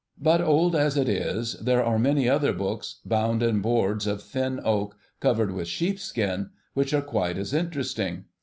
But old as it is, there are many other books, bound in boards of thin oak covered with sheepskin, which are quite as interesting.